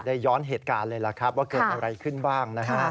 ย้อนเหตุการณ์เลยล่ะครับว่าเกิดอะไรขึ้นบ้างนะฮะ